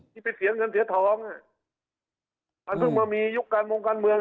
ที่ไปเสียเงินเสียทองมันเพิ่งมามียุคการมงการเมือง